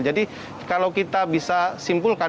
jadi kalau kita bisa simpulkan